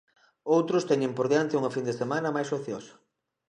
Outros teñen por diante unha fin de semana máis ociosa.